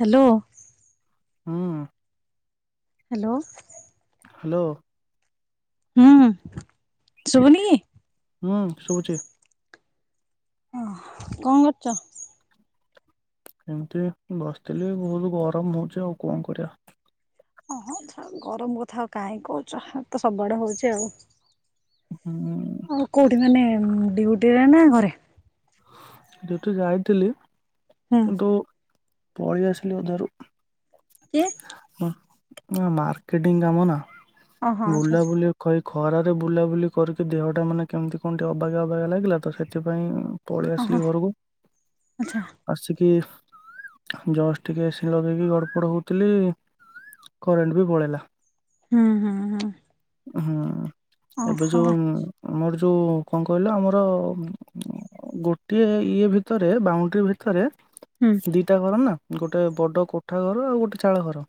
Hello. ହଁ। Hello. Hello. ହୁଁ ଶୁଭୁନିକି? ହୁଁ ଶୁଭୁଛି। ଓଃ କଣ କରୁଚ? ଏମିତି ବସିଥିଲି ବହୁତ ଗରମ ହଉଛି ଆଉ କଣ କରିବା? ଓହୋ ଛାଡ ଗରମ କଥା ଆଉ କାହିଁ କହୁଛ ତ ସବୁଆଡେ ହଉଛି ଆଉ। ହୁଁ। ଆଉ କେଉଁଠି ମାନେ ଡିୟୁଟିରେ ନା ଘରେ? ଯେଠୁ ଯାଇଥିଲି ହୁଁ। କିନ୍ତୁ ପଳେଇ ଆସିଲି ଅଧାରୁ। କି? ମୋ ମୋ ମାର୍କେଟିଂ କାମ ନା ଓହୋ ଆଚ୍ଛା ଆଚ୍ଛା ବୁଲାବୁଲି କହି ଖରାରେ ବୁଲାବୁଲି କରିକି ଦେହଟା ମାନେ କେମିତି କଣଠି ଅବାଗିଆ ଅବାଗିଆ ଲାଗିଲା ତ ସେଥିପାଇଁ। ପଳେଇ ଓହୋ ଆସିଲି ଘରକୁ। ଆଚ୍ଛା। ଆସିକି ଜସ୍ ଟିକେ ଏସି ଲଗେଇକି ଗଡପଡ ହୋଉଥିଲି। କରେଣ୍ଟ ବି ପଳେଇଲା। ହୁଁ ହୁଁ। ହୁଁ। ହୁଁ ଏବେ ଓହୋ। ଯୋଉ ଆମର ଯୋଉ କଣ କହିଲ ଆମର ଗୋଟିଏ ଇଏ ଭିତରେ ବାଉଣ୍ଡ୍ରି ଭିତରେ ହୁଁ। ଦିଟା ଘର ନା ଗୋଟେ ବଡ କୋଠା ଘର ଆଉ ଗୋଟେ ଚାଳ ଘର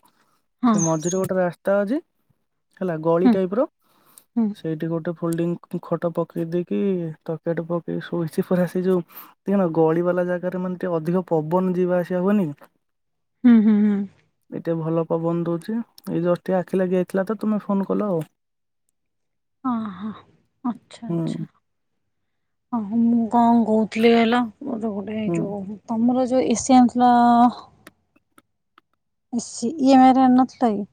ହଁ ସେ ମଝିରେ ଗୋଟେ ରାସ୍ ତା ଆଜି ହେଲା ଗଳି ହୁଁ ଟାଇପ୍ ର ହୁଁ ସେଇଠି ଗୋଟେ ଫୋଲଡିଙ୍ଗ ଖଟ ପକେଇ ଦେଇକି ତକିଆ ଟେ ପକେଇକି ଶୋଇସି ପୁରା ଆସି ଯୋଉ ଦେଖିନ ଗଳି ବାଲା ଜାଗାରେ ମାନେ ଟିକେ ଅଧିକ ପବନ ଯିବା ଆସିବା ହୁଏନି କି। ହୁଁ ହୁଁ ହୁଁ। ଏତେ ଭଲ ପବନ ଦଉଛି ଏଇ ଜଷ୍ଟ ଟିକେ ଆଖିଲ ଲାଗି ଯାଇଥିଲା ତ ତୁମେ ଫୋନ କଲ ଆଉ। ଅହ ଆଚ୍ଛା ହୁଁ ଆଚ୍ଛା ଆ ମୁଁ କଣ କହୁଥିଲି ଇଲୋ ମୋର ଗୋଟେ ଏ ହୁଁ ଯୋଉ ତମର ଯୋଉ ଏସି ଆଣିଥିଲ? ଏସି ଇଏ ମାନେ ଆଣିନଥିଲାକି?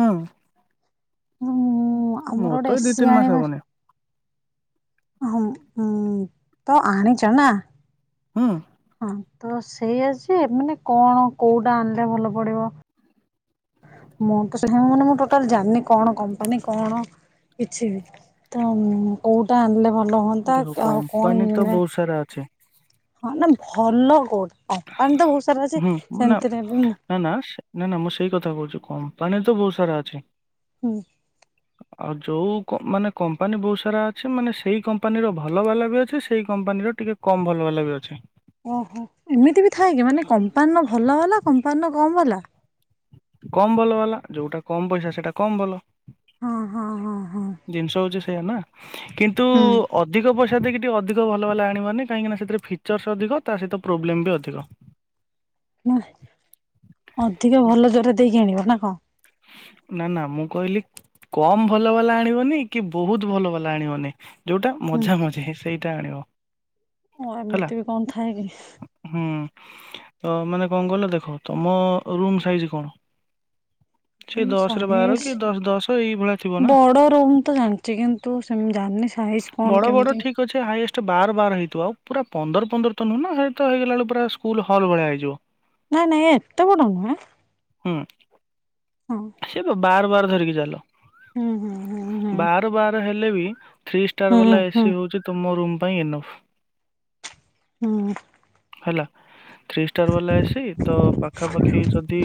ହଁ। ହୁଁ ଆମର ମୋର ତ ଗୋଟେ ଏଇ ଦି ଏସି ତିନି ମାସ ଆଣିବା। ହବନି ଅମ୍ ତ ଆଣିଚ ନା? ହୁଁ। ହଁ ତ ସେଇଆଯେ ମାନେ କଣ କୋଉଟା ଆଣିଲେ ଭଲ ପଡିବ। ମୁଁ ତ ମାନେ ମୁଁ ଟୋଟାଲି ଜାଣିନି କଣ କମ୍ପାନୀ କଣ? କିଛି ବି ତ କୋଉଟା ଆଣିଲେ ଭଲ ହୁଅନ୍ତା ଦେଖ ଆଉ କଣ କମ୍ପାନୀ ତ ଏମ୍ ବହୁତ ସାରା ଅଛି। ହଁ ନା ଭଲ କୋଉଠି କମ୍ପାନୀ ତ ବହୁତ ସାରା ଅଛି। ହୁଁ ନା ସେମ୍ ତିରେ ବି ନା ନା ନା ନା ମୁଁ ସେଇ କଥା କହୁଛି କମ୍ପାନୀ ତ ବହୁତ ସାରା ଅଛି। ହୁଁ। ଆଉ ଯୋଉ ମାନେ କମ୍ପାନୀ ବହୁତ ସାରା ଅଛି। ମାନେ ସେଇ କମ୍ପାନୀର ଭଲ ବାଲା ବି ଅଛି। ସେଇ କମ୍ପାନୀର ଟିକେ କମ ଭଲ ବାଲା ବି ଅଛି। ଓହୋ ଏମିତି ବି ଥାଏ କି ମାନେ କମ୍ପାନୀର ଭଲ ବାଲା କମ୍ପାନୀର କମ୍ ବାଲା। କମ୍ ଭଲ ବାଲା ଯୋଉଟା କମ୍ ପଇସା ସେଟା କମ୍ ଭଲ। ହଁ ହଁ ହଁ ହଁ ଜିନିଷ ହଉଛି ସେଇୟା ନା କିନ୍ତୁ ହୁଁ। ଅଧିକ ପଇସା ଦେଇକି ଟିକେ ଅଧିକ ଭଲ ଵାଲା ଆଣିବ ମାନେ କାହିଁକିନା ଫିଚର୍ସ ଅଧିକ ତା ସହିତ ପ୍ରୋବ୍ଲେମ ଅଧିକ। ନା ଅଧିକ ଭଲ ଜୋରେ ଦେଇକି କିଣିବ ନା କଣ? ନା ନା ମୁଁ କହିଲି କମ୍ ଭଲ ବାଲା ଆଣିବନି କି ବହୁତ ଭଲ ବାଲା ଆଣିବନି। ଯୋଉଟା ହୁଁ ମଝା ମଝି ସେଇଟା ଆଣିବ। ଓଁ ହେଲା। ଏମିତି ବି କଣ ଥାଏ କି? ହୁଁ ତ ମାନେ କଣ କହିଲ ଦେଖ ତମ ରୁମ ସାଇଜ କଣ? ସେଇ ରୁମ୍ ଦଶ ରେ ବାର ସାଇଜି କି ଦଶ ଦଶ ଏଇଭଳିଆ ଥିବ ନା ବଡ ରୁମ୍ ତ ଜାଣିଛି କିନ୍ ତୁ ସେମିତି ଜାଣିନି ସାଇଜ୍ କଣ କେମ୍ ତ ଠିକ୍ ଅଛି ହାଇଏଷ୍ଟ ବାର ବାର ହେଇଥିବ ଆଉ ପୁରା ପନ୍ଦର ପନ୍ଦର ତ ନୁହୁଁ ନା ସେ ହଇଗଲା ବେଳକୁ ନା ପୁରା ସ୍କୁଲ ହଲ୍ ଭଳିଆ ହେଇଯିବ। ନା ନାଇଁ ଏତେ ବଡ଼ ନୁହେଁ। ହୁଁ ହଁ ସେ ବାର ବାର ଧରିକି ଚାଲ ହୁଁ ହୁଁ ହୁଁ ହୁଁ। ବାର ବାର ହେଲେ ବି ଥ୍ରୀ ଷ୍ଟାର ହୁଁ ବାଲା ହୁଁ ଏସିି ହଉଛି ତୁମ ରୁମ୍ ପାଇଁ ଇନଫ୍। ହୁଁ ହେଲା ଥ୍ରୀ ଷ୍ଟାର ବାଲା ଏସି ତ ପାଖାପାଖି ଯଦି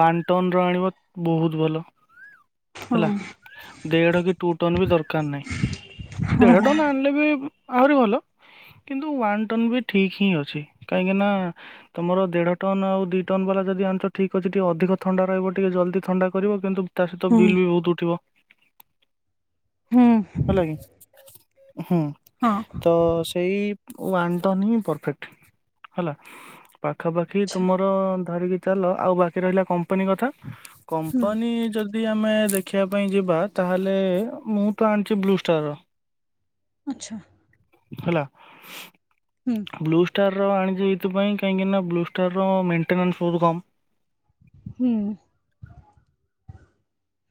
ୱାନ ଟନ୍ ର ଆଣିବ ବହୁତ ଭଲ। ହଁ ହେଲା ଦେଢ କି ଟୁ ଟନ ବି ଦରକାର ନାହିଁ ଦେଢ ଟନ ଆଣି ଆହୁରି ଭଲ କିନ୍ତୁ ୱାନ ଟନ୍ ବି ଠିକ ହିଁ ଅଛି କାହିଁକି ନା। ତମର ଦେଢ ଟନ ଆଉ ଦି ଟନ ବାଲା ଯଦି ଆଣୁଛ ଠିକ ଅଛି ଟିକେ ଅଧିକ ଥଣ୍ଡା ରହିବ। ଟିକେ ଜଲଦି ଥଣ୍ଡା କରିବ କିନ୍ତୁ ତା ସହିତ ହୁଁ ବିଲ୍ ବି ବହୁତ ଉଠିବ। ହୁଁ ହେଲାକି ହୁଁ। ହଁ ତ ସେଇ ୱାନ୍ ଟନ୍ ହିଁ ପରଫେକ୍ଟ। ହେଲା ପାଖାପାଖି ଆଚ୍ଛା ତୁମର ଧରିକି ଚାଲ ଆଉ ବାକି ରହିଲା କମ୍ପାନୀ କଥା। ହୁଁ କମ୍ପାନୀ ଯଦି ଯଦି ଆମେ ଦେଖିବା ପାଇଁ ଯିବା ତାହେଲେ ମୁଁ ତ ଆଣିଛି ବ୍ଲୁଷ୍ଟାର ର ଆଚ୍ଛା। ହେଲା। ହୁଁ ବ୍ଲୁଷ୍ଟାରର ଆଣିଛି ଏଇଥିପାଇ କାହିଁକିନା ବ୍ଲୁଷ୍ଟାର ର ମେଣ୍ଟେନାନ୍ସ ବହୁତ କମ୍। ହୁଁ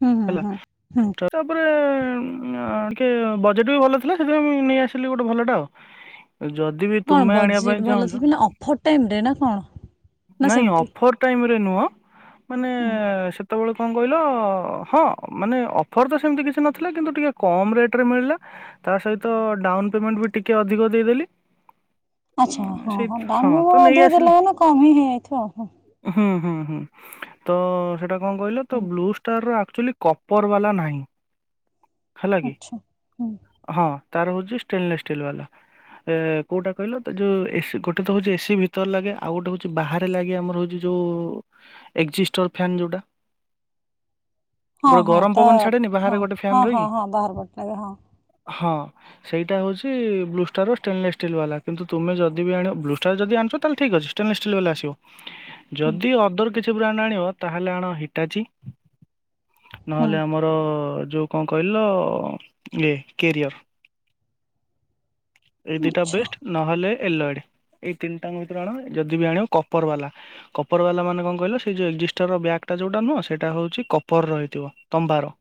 ହୁଁ ହୁଁ ହେଲା ହୁଁ। ହୁଁ ତ ତାପରେ ଟିକେ ବଜେଟ୍ ବି ଭଲ ଥିଲା ସେଥିପାଇଁ ମୁଁ ନେଇଆସିଲି ଗୋଟେ ଭଲଟା ଆଉ। ଯଦି ବି କଣ ତୁମେ ଆଣିବା ପାଇଁ ବଜେଟ୍ ଭଲ ଚାହୁଁଛ ଥିଲା ନା ଅଫର୍ ଟାଇମରେ ନା କଣ ନା ସେମିତି ଆଫର୍ ଟାଇମରେ ନୁହଁ ମାନେ ହୁଁ ସେତେବେଳେ କଣ କହିଲ। ହଁ ମାନେ ଅଫର୍ ତ ସେମିତି କିଛି ନଥିଲା କିନ୍ତୁ ଟିକେ କମ୍ ରେଟରେ ମିଳିଲା। ତା ସହିତ ଡାଉନ ପେମେଣ୍ଟ ବି ଟିକେ ଅଧିକ ଦେଇଦେଲି। ଆଚ୍ଛା ଉଁ ହଁ ସେଇ ହଁ ତ ଡାଉନପେମେଂଟ ନେଇ ଅଧିକ ଆସିଲି। ଦେଲେ ମାନେ କମ ହି ହେଇଯାଇଥିବ। ହୁଁ ହୁଁ ହୁଁ ତ ସେଇଟା କଣ କହିଲ ହୁଁ। ତ ବ୍ଲୁଷ୍ଟାର ର ଏକ୍ଟୁଆଲି କପର ବାଲା ନାହିଁ ହେଲା କି ଆଚ୍ଛା ହୁଁ ହଁ ତାର ହଉଛି ଷ୍ଟେନଲେସ୍ ଷ୍ଟିଲ୍ ବାଲା। ଏ କୋଉଟା କହିଲ ଯୋଉ ଏ ଗୋଟେ ତ ହଉଛି ଏସିି ଭିତରେ ଲାଗେ ଆଉ ଗୋଟେ ହଉଛି ବାହାରେ ଲାଗେ ଆମର ହଉଛି। ଯୋଉ ଏକ୍ଜିଷ୍ଟର ଫ୍ୟାନ ଯୋଉଟା। ହଁ ଗୋଟେ ହଁ ଗରମ ତ ପବନ ଛାଡେନି ହଁ ବାହାରେ ଗୋଟେ ଫ୍ୟାନ ହଁ ହଁ ରହିକି ହଁ ବାହାର ପଟେ ଲାଗେ ହଁ ହଁ ସେଇଟା ହଉଛି ବ୍ଲୁଷ୍ଟାର ଓ ଷ୍ଟେନଲେସ୍ ଷ୍ଟିଲ୍ ବାଲା କିନ୍ତୁ ତୁମେ ଯଦି ବି ଆଣିବ ବ୍ଲୁଷ୍ଟାର ଯଦି ଆଣୁଛ ତାହେଲେ ଠିକ ଅଛି। ଷ୍ଟିଲ ବାଲା ଆସିବ ହୁଁ ଯଦି ଅଦର କିଛି ବ୍ରାଣ୍ଡ ଆଣିବ ତାହେଲେ ଆଣ ହିଟାଚି। ହୁଁ ନହେଲେ ଆମର ଯୋଉ କଣ କହିଲ ଇଏ କ୍ୟାରିଅର। ଏଇ ଦିଇଟା ଆଚ୍ଛା ବେଷ୍ଟ ନହେଲେ ଏଲୋଡ଼ ଏଇ ତିନିଟାଙ୍କ ଭିତରୁ ଆଣ ଯଦି ବି ଆଣିବ କପର ବାଲା। କପର ବାଲା ମାନେ କଣ କହିଲ ସେ ଯଉ ଏକ୍ସିଷ୍ଟର ର ବ୍ୟାକ ଯୋଉଟା ନୁହଁ ସେଟା ହଉଛି କ କପର ର ହେଇଥିବ ତମ୍ବା ର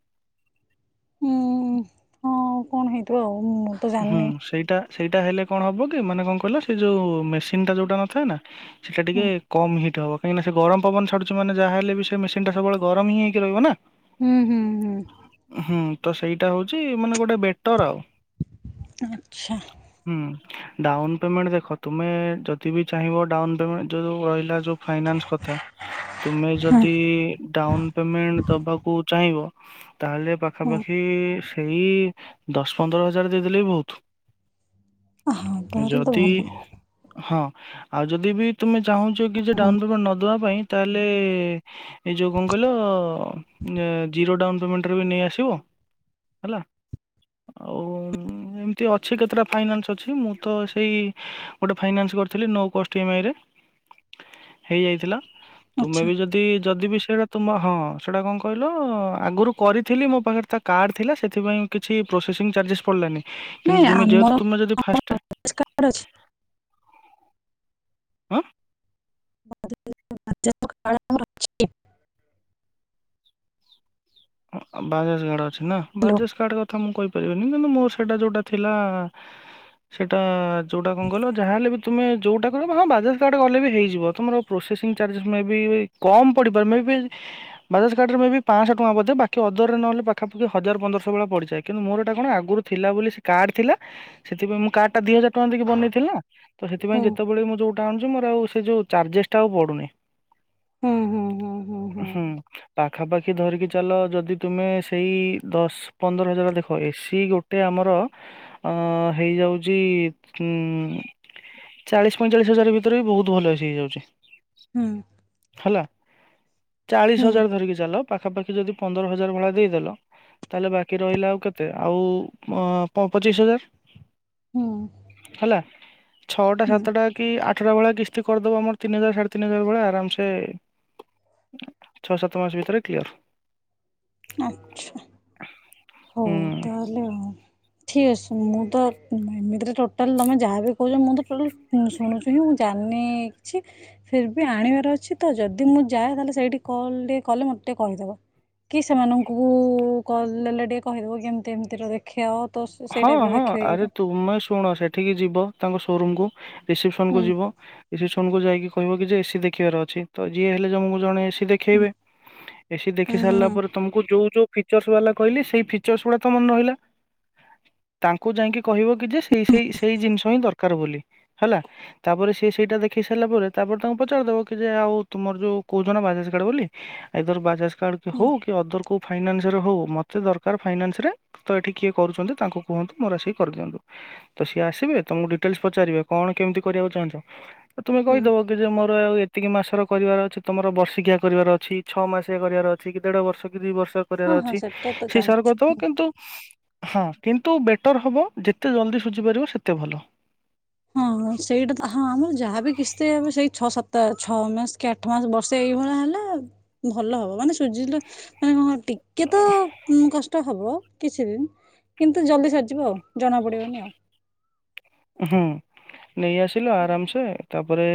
ହୁଁ ହଁ କଣ ହେଇଥିବ ଆଉ ମୁଁ ତ ହୁଁ ଜାଣିନି। ସେଇଟା ସେଇଟା ହେଲେ କଣ ହବ କି? ମାନେ କଣ କହିଲା ସେ ଯୋଉ ମେସି ଇନଟା ଯୋଉଟା ନଥାଏ ନା ସେଇଟା ହୁଁ ଟିକେ କମ ହିଟ୍ ହବ। କାହିଁକି ନା ସେ ଗରମ ପବନ ଛାଡୁଛି ମାନେ ଯାହା ହେଲେ ବି ସେ ମିସିନ ଟା ସବୁବେଳେ ଗରମ ହଁ ହେଇକି ରହିବ ନା। ହୁଁ ହୁଁ ହୁଁ। ହୁଁ ତ ସେଇଟା ହଉଛି ମାନେ ଗୋଟେ ବେଟର ଆଉ। ଆଚ୍ଛା। ହୁଁ ଡାଉନ ପେମେଣ୍ଟ ଦେଖ ତୁମେ ଯଦି ବିି ଚାହିଁବ ଡାଉନ ପେମେଣ୍ଟ ଯୋଉ ରହିଲା ଯୋଉ ଫାଇନାନ୍ସ କଥା ତୁମେ ଯଦି ଡାଉନ ପେମେଣ୍ଟ ଦବାକୁ ଚାହିଁବ ତାହେଲେ ହଁ ପାଖାପାଖି ଏହି ଦଶ ପନ୍ଦର ହଜାର ଦେଇଦେଲେ ବି ବହୁତ। ହଁ ତାହେଲେ ତ ଯଦି ଭଲ। ହଁ ଆଉ ଯଦି ବି ତୁମେ ଚାହୁଁଛ କି ଯେ ଡାଉନ ପେମେଣ୍ଟ ନ ଦେବା ପାଇଁ ତାହେଲେ ଏଇ ଯୋଉ କଣ କହିଲ ଜିରୋ ଡାଉନ ପେମେଣ୍ଟରେ ବି ନେଇ ଆସିବ। ହେଲା? ଆଉ [inaudible] ଏମିତି ଅଛି କେତେଟା ଫାଇନାନ୍ସ ଅଛି। ମୁଁ ତ ସେଇ ଗୋଟେ ଫାଇନାନ୍ସ କରିଥିଲି ନୋ କୋଷ୍ଟ ଇ ଏମ୍ ଆଇରେ। [inaudible] ହେଇଯାଇଥିଲା। ତୁମେ ଆଚ୍ଛା ବି ଯଦି ଯଦି ବି ସେଇଟା ତୁମ ହଁ ସେଟା କଣ କହିଲ? ଆଗରୁ କରିଥିଲି ମୋ ପାଖରେ ତା କାର୍ଡ ଥିଲା ସେଥିପାଇଁ କିଛି ପ୍ରୋସେସିଂ ଚାର୍ଜେସ୍ ପଡ଼ିଲାନି। କିନ୍ତୁ ନାଇଁ ତୁମେ ଆମର ଯେହେତୁ ତମେ ଯଦି ଫାଷ୍ଟ ଟା [unintelligible] ଆଁ? [unintelligible] ହଁ ଆଉ ବାଜାଜ୍ କାର୍ଡ ଅଛି ନା। ହ୍ୟାଲୋ। ବାଜାଜ୍ କାର୍ଡ କଥା ମୁଁ କହି ପାରିବିନି। କିନ୍ତୁ ମୋର୍ ସେଟା ଯୋଉଟା ଥିଲା। ସେଟା ଯୋଉଟା କଣ କହିଲ ଯାହା ହେଲେ ବି ତୁମେ ଯୋଉଟା କିଣିବ। ହଁ ବାଜାଜ୍ କାର୍ଡ଼ ରେ କଲେ ବି ହେଇଯିବ। ତୁମର ପ୍ରୋସେସିଂ ଚାର୍ଜ ମେ ବି କମ୍ ପଡ଼ିପାରେ। ମେବି ଯଦି ବାଜାଜ୍ କାର୍ଡ ରେ ଇ ବି ପାଞ୍ଚଶ ଟଙ୍କା ବୋଧେ। ବାକି ଅଦର୍ ରେ ନହେଲେ ପାଖାପାଖି ହଜାର ପନ୍ଦରଶ ଭଳିଆ ପଡିଯାଏ। କିନ୍ତୁ ମୋର ଏଟା କଣ ଆଗୁରୁ ଥିଲା ବୋଲି ସେ କାର୍ଡ ଥିଲା। ସେଥିପାଇଁ ମୁଁ କାର୍ଡ ଟା ଦି ହଜାର ଟଙ୍କା ବନେଇ ଥିଲି ନା? ତ ସେଥିପାଇଁ ହୁଁ ଯେତେବେଳେ ମୁଁ ଯୋଉଟା ଆଣୁଛି ମୋର୍ ଆଉ ସେ ଯୋଉ ଚାର୍ଜେସ୍ ଟା ଆଉ ପଡୁନି। ହୁଁ ହୁଁ ହୁଁ ହୁଁ। ପାଖାପାଖି ଧରିକି ଚାଲ। ଯଦି ତୁମେ ସେଇ ଦଶପନ୍ଦର ହଜାର ଯଦି ଦେଖ ଏସିି ଗୋଟେ ଆମର ହଁ। ହେଇ ଯାଉଛି ଉଁ ଚାଳିଶ ପଇଁଚାଳିଶ ହଜାର ଭିତରେ ବି ବୋହୁତ୍ ଭଲ ଏସି ହେଇ ଯାଉଛି। ହୁଁ। ହେଲା? ଚାଳିଶ ହୁଁ ହଜାର ଧରିକି ଚାଲ ପାଖାପାଖି ଯଦି ପନ୍ଦର ହଜାର ଭଳିଆ ଦେଇ ଦେଲ ତାହେଲେ ବାକି ରହିଲା ଆଉ କେତେ? ଆଉ ପ ପଚିଶ ହଜାର। ହୁଁ ହେଲା? ଛଅଟା ହୁଁ ସାତଟା କି ଆଠ ଟା ଭଳିଆ କିସ୍ତି କରିଦବ। ଆମର ତିନି ହଜାର ସାଢ଼େ ତିନି ହଜାର ଭଳିଆ। ଆରାମ୍ ସେ ଛଅ ସାତ ମାସ ଭିତରେ କ୍ଲିୟର୍। ଆଚ୍ଛା। ହୁଁ ହୋଉ ତାହେଲେ ଆଉ। ଠିକ୍ ଅଛି। ମୁଁ ତ ଏମିତିରେ ଟୋଟାଲ୍ ତମେ ଯାହା ବି କହୁଚ ମୁଁ ତ ଟୋଟାଲ୍ ଶୁଣୁଛି ୟୁ ଜାଣିନି କିଛି ଫିର୍ ବି ଆଣିବାର ଅଛି ତ ଯଦି ମୁଁ ଯାଏ। ତାହେଲେ ସେଇଠି କଲ୍ ଟିକେ କଲେ। ମତେ ଟିକେ କହି ଦବ କି ସେମାନଙ୍କୁ କଲ୍ ରେ ଟିକେ କହି ଦବ କି କେମତି ଏମିତିର କରି କ୍ଷୟ ତସ ହଁ ହଁ। ଆରେ ତୁମେ ଶୁଣ। ସେଠିକି ଯିବ ତାଙ୍କ ସୋରୁମ୍ କୁୁ ରିସେପ୍ସନ୍ କୁ ହୁଁ ଯିବ। ରିସେପ୍ସନ୍ ଯାଇକି କହିବ କି ଯେ ଏ ସିି ଦେଖିବାର ଅଛି। ତ ଯିଏ ହେଲେ ଜଣଙ୍କୁ ଜଣେ ଏ ସି ଦେ ହୁଁ ଖିବେ। ଏ ସି ଦେଖି ହୁଁ ସାରିଲା ହୁଁ ପରେ ତମକୁ ଯୋଉ ଯୋଉ ଫିଚର୍ସ ବାଲା କହିଲେ। ସେଇ ଫିଚର୍ସ ଗୁଡ଼ା ତ ମନେ ରହିଲା। ତାଙ୍କୁ ଯାଇଁକି କହିବ କି ଯେ ସେଇ ସେଇ ସେଇ ଜିନିଷ ହିଁ ଦରକାର୍ ବୋଲି ହେଲା। ତାପରେ ସେ ସେଇଟା ଦେଖେଇ ସାରିଲା ପରେ। ତାପରେ ତାଙ୍କୁ ପଚାରି ଦବ କି ଯେ ଆଉ ତୁମର ଯୋଉ କହୁଚ ନା ବାଜାଜ୍ କାର୍ଡ ବୋଲି। ଆଇ ଦର୍ ବାଜାଜ୍ କାର୍ଡ ହୁଁ ହୋଉ କି ଅଦର କୋଉ ଫାଇନାନ୍ସ ରେ ହୋଉ। ମତେ ଦରକାର ଫାଇନାନ୍ସ ରେ। ତ ଏଠି କିଏ କରୁଛନ୍ତି? ତାଙ୍କୁ କୁହନ୍ତୁ। ମୋର୍ ଆସିକି କରି ଦିଅନ୍ତୁ। ତ ସିଏ ଆସିବେ। ତମକୁ ଡିଟେଲସ୍ ପଚାରିବେ କଣ କେମିତି କରିବାକୁ ଚାହୁଁଛ? ତ ତମେ ହୁଁ କହିଦବ। ତୁ ଯେ ମୋର ଆଉ ଏତିକି ମାସର କରିବାର ଅଛି। ତମର ବର୍ଷିକିଆ କରିବାର ଅଛି। ଛଅ ମାସିକିଆ କରିବାର ଅଛି। କି ଦେଢ଼ ବର୍ଷ କି ଦି ବର୍ଷ କରିବାର ହଁ ହଁ ଅଛି। ସେଟା ତ ସେଇ ହିସାବରେ କରିଦବ। ଜାଣିଛି। କିନ୍ତୁ ହଁ। କିନ୍ତୁ ବେଟର୍ ହବ। ଯେତେ ଜଲ୍ଦି ସୁଝି ପାରିବ। ସେତେ ଭଲ। ହଁ ହଁ। ସେଇଟା ତ ହଁ। ଆମର ଯାହାବି କିସ୍ତି ଆମେ ସେଇ ଛଅ ସାତ ଛଅ ମାସ୍ କି ଆ ଠ ମାସ ବର୍ଷେ ଏଇ ଭଳିଆ ହେଲେ ଭଲ ହବ। ମାନେ ସୁଜିିଲା ମାନେ କଣ ଟିକେ ତ ଉଁ କଷ୍ଟ ହବ କିଛି ଦିନ୍। କିନ୍ତୁ ଜଲ୍ଦୀ ସରିଯିବ ଆଉ। ଜଣା ପଡ଼ିବନି ଆଉ। ହୁଁ। ନେଇ ଆସିଲୁ ଆରାମସେ ତା ପରେ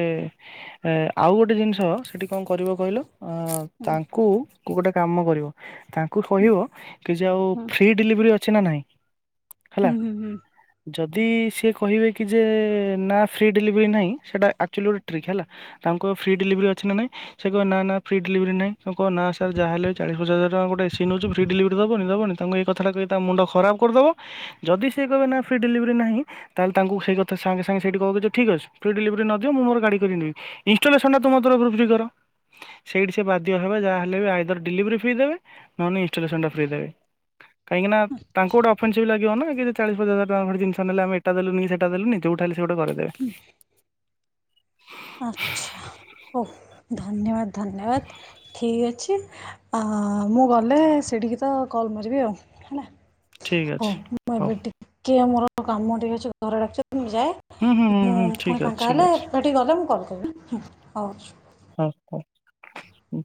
ଏଁ ଆଉ ଗୋଟେ ଜିନିଷ ସେଠି କଣ କରିବ କହିଲ? ଅଁ ହୁଁ ତାଙ୍କୁ ଗୋଟେ କାମ କରିବ। ତାଙ୍କୁ ହୁଁ କହିବ କି ଯେ ଆଉ ହୁଁ ଫ୍ରି ଡେଲିଭରି ଅଛି ନା ନାଇଁ? ହେଲା ହୁଁ ହୁଁ ହୁଁ ଯଦି ସିଏ କହିବେ କି ଯେ ନା ଫ୍ରି ଡେଲିଭରି ନାହିଁ ସେଇଟା ଆକ୍ଚୁଅଲି ଗୋଟେ ଟ୍ରିକ୍ ହେଲା। ତାଙ୍କୁ କହିବ ଫ୍ରି ଡେଲିଭରି ଅଛି ନା ନାଇଁ? ସେ କହିବେ ନା ନା ଫ୍ରି ଡେଲିଭରି ନାହିଁ ତମେ କହିବ ନା ସାର ଜାହା ହେଲେ ବି ଚାଳିସି ପଚାଶ ହଜାର ଟଙ୍କା ଗୋଟେ ଏସି ନେଉଛୂ ଫ୍ରି ଡେଲିଭରୀ ଦବନି ଦବନି? ତାଙ୍କୁ ଏଇ କଥାଟା କହିଲି ତା ମୁଣ୍ଡ ଖରାପ କରିଦେବ ଯଦି ସେ କହିବ ନା ଫ୍ରି ଡେଲିଭରି ନାହିଁ। ତାହେଲେ ତାଙ୍କୁ ସେଇ କଥା ସାଙ୍ଗେ ସାଙ୍ଗେ ସେଇଠି କହିବ ଠିକ୍ ଅଛି ଫ୍ରି ଡେଲିଭରି ନଦିଅ ମୁଁ ମୋର ଗାଡ଼ି କରିନେବି। ଇନଷ୍ଟଲେସନ ଟା ତମ ତରଫରୁ ଫ୍ରି କର। ସେଇଠି ସେ ବାଧ୍ୟ ହେବ ଯାହାହେଲେ ବି ଆଈଦର ଡେଲିଭରି ଫ୍ରି ଦେବେ ନ ହେଲେ ଇଣ୍ଟଲେସନ ଟା ଫ୍ରି ଦେବେ। କାହିଁକି ନା ତାଙ୍କୁ ଗୋଟେ ଅଫନ୍ସିଭି ଲାଗିବ ନା କି ଚାଳିଶ ପଚାଶ ହଜାର ଟଙ୍କା ଖଣ୍ଡେ ଜିନିଷ ନେଲେ ଏଇଟା ଦେଲୁନି କି ସେଟା ଦେଲୁନି ଯୋଉଠା ହେଲେ ସେ ଗୋଟେ କରିଦେବେ। ଆଛା ହଉ ଧନ୍ୟବାଦ ଧନ୍ୟବାଦ। ଠିକ୍ ଅଛି ମୁଁ ଗଲେ ସେଇଠିକି ତ କଲ୍ ମାରିବି ଆଉ ହେଲା। ଠିକ୍ ହଉ ଅଛି ମୁଁ ହଉ ଏବେ ଟିକେ ମୋର କାମ ଟିକେ ଅଛି ଘରେ ଡାକୁଚି ମୁଁ ଯାଏ। ହୁଁ ହୁଁ ହୁଁ ମୁଁ ହୁଁ ପୁଣି ଠିକ୍ ଅଛି ଫାଙ୍କା ଠିକ୍ ହେଲେ ଅଛି ଏଠିକି ଗଲେ ମୁଁ କଲ୍ କରିବି ହଉ। ହଁ ହଉ। ହୁଁ।